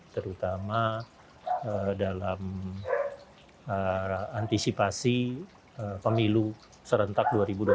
terutama dalam antisipasi pemilu serentak dua ribu dua puluh